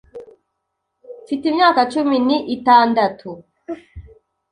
mfite imyaka cumi ni itandatu